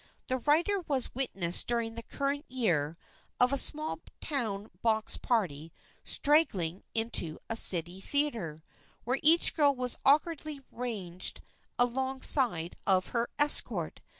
The writer was witness during the current year of a small town box party straggling into a city theater, where each girl was awkwardly ranged alongside of her escort.